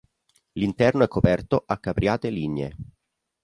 L'interno è coperto a capriate lignee.